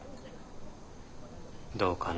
どうかな。